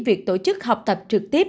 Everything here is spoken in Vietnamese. việc tổ chức học tập trực tiếp